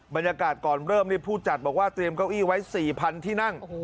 บรรยากาศก่อนเริ่มผู้จัดบอกว่าเตรียมเก้าอี้ไว้๔๐๐๐ที่นั่ง